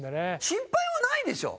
心配はないでしょ？